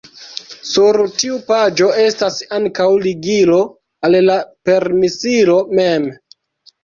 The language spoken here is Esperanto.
Sur tiu paĝo estas ankaŭ ligilo al la permesilo mem.